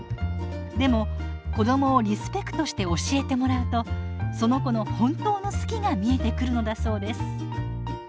でも子どもをリスペクトして教えてもらうとその子の本当の「好き」が見えてくるのだそうです。